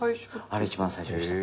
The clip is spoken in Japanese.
あれ一番最初でした。